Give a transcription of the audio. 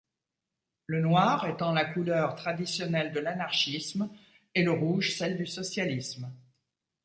Le noir étant la couleur traditionnelle de l'Anarchisme et le rouge celle du Socialisme.